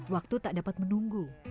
waktu tak dapat menunggu